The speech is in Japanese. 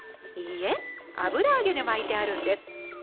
いいえ油揚げで巻いてあるんです。